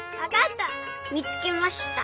みつけました。